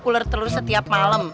ular telur setiap malam